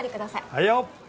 はいよ！